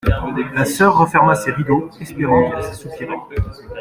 La soeur referma ses rideaux, espérant qu'elle s'assoupirait.